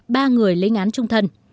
ba người lấy ngán trung thân